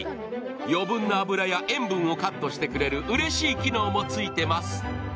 余分な脂や塩分をカットしてくれるうれしい昨日もついています。